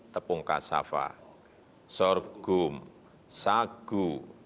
tepung cassava sorghum sagu